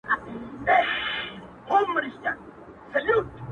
په شعر یې هغه مروج کلمات جاري دي